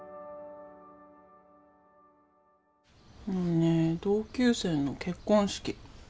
今日ね同級生の結婚式。